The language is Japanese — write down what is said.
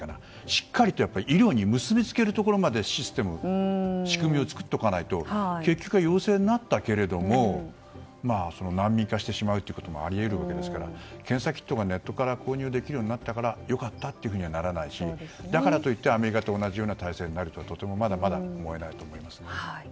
しっかりと医療に結び付けるところまでシステムや仕組みを作っておかないと結局は陽性になったけども難民化してしまうこともあり得るわけですから検査キットがネットから購入できるようになったから良かったわけじゃないしアメリカと同じ体制になるとは、とてもまだまだ思えないと思います。